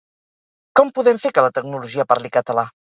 Com podem fer que la tecnologia parli català?